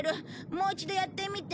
もう一度やってみて。